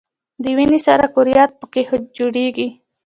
د وینې سره کرویات په ... کې جوړیږي.